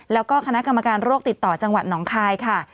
แล้วก็คณะกรรมการโรคติดต่อจังหวัดหนองคายค่ะ